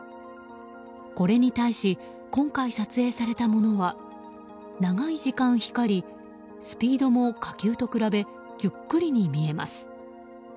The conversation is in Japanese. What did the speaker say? これに対し今回、撮影されたものは長い時間光りスピードも火球と比べゆっくりに見えます。